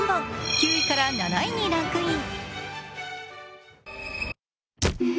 ９位から７位にランクイン。